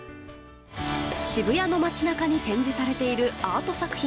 渋谷の街中に展示されているアート作品。